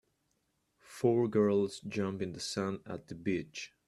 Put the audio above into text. Four girls jump in the sand at the beach.